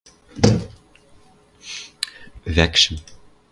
Вӓкшӹм?